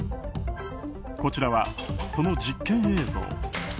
こちらはその実験映像。